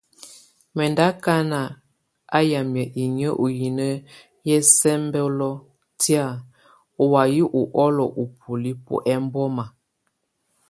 Mɛ̀ ndù akana á yamɛ̀á inyǝ ù hino hɛ ɛsɛmbɛlɔ tɛ̀á ù waya u ɔlɔ u bùóli bù ɛmbɔma.